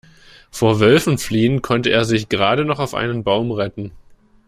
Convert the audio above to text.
Vor Wölfen fliehend konnte er sich gerade noch auf einen Baum retten.